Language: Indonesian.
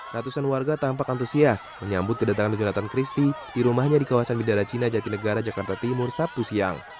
ratusan warga tampak antusias menyambut kedatangan jonathan christie di rumahnya di kawasan bidara cina jatinegara jakarta timur sabtu siang